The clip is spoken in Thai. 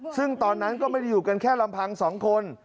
ซึ่งตอนนั้นก็ไม่ได้อยู่กันแค่ลำพัง๒คน